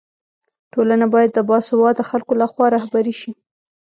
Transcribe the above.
ټولنه باید د باسواده خلکو لخوا رهبري سي.